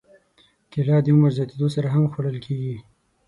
کېله د عمر زیاتېدو سره هم خوړل کېږي.